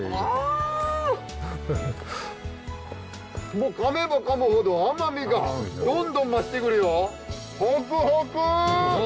もうかめばかむほど甘みがどんどん増してくるよ。